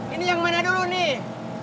ini yang mana dulu nih